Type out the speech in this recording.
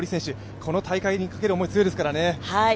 この大会にかける思い、強いですからね。